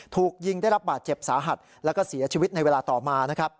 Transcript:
ถูกยิงได้รับบาดเจ็บสาหัสแล้วก็เสียชีวิตในเวลาต่อมานะครับ